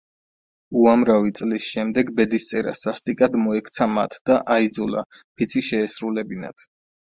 უამრავი წლის შემდეგ ბედისწერა სასტიკად მოექცა მათ და აიძულა, ფიცი შეესრულებინათ.